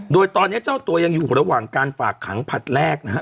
โดยตอนนี้เจ้าตัวยังอยู่ระหว่างการฝากขังผลัดแรกนะฮะ